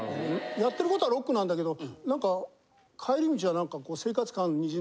やってることはロックなんだけどなんか帰り道はなんか。